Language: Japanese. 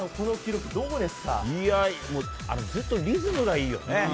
いやー、ずっとリズムがいいよね。